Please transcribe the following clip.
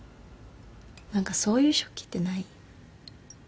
何かそういう食器ってない？